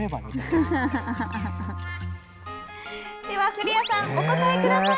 古谷さん、お答えください。